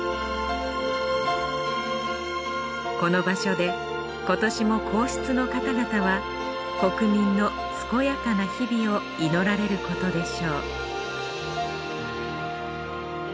この場所で今年も皇室の方々は国民の健やかな日々を祈られることでしょう